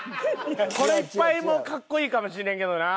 これいっぱいも格好いいかもしれんけどな。